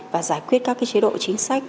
và giải quyết các chế độ chính sách